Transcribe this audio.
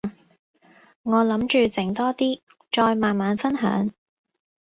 我諗住整多啲，再慢慢分享